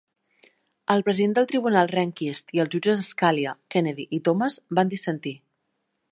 El President del Tribunal Rehnquist i els jutges Scalia, Kennedy i Thomas van dissentir.